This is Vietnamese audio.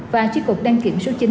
và chi cục đăng kiểm số chín